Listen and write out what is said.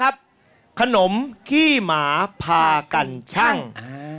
กลับเข้าสู่รายการออบาตอร์มาหาสนุกกันอีกครั้งครับ